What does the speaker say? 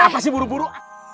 apa sih buru buru